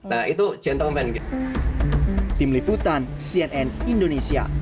nah itu gentleman